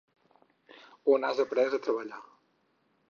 On has après a treballar.